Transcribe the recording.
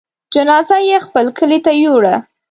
جنازه يې خپل کلي ته يووړه.